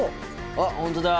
あっ本当だ。